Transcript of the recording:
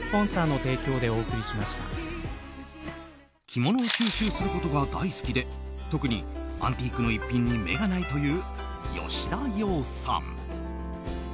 着物を収集することが大好きで特にアンティークの逸品に目がないという吉田羊さん。